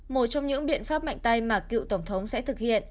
một trong những biện pháp mạnh tay mà cựu tổng thống sẽ thực hiện